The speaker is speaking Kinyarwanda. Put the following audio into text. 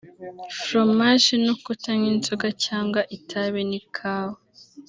fromage no kutanywa inzoga cyangwa itabi n’ ikawa